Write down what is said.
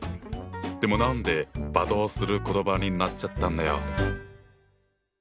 でも何で罵倒する言葉になっちゃったんだよ？